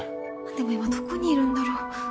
でも今どこにいるんだろう。